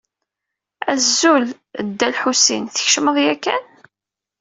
Azul, Dda Lḥusin, tkecmeḍ yakan?